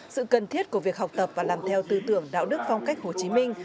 sự cần thiết của việc học tập và làm theo tư tưởng đạo đức phong cách hồ chí minh